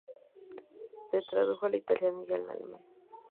Se tradujo al italiano y alemán.